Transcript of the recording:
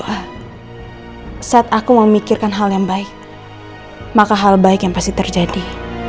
kalau kamu mikirkan hal yang baik maka hal baik yang pasti terjadi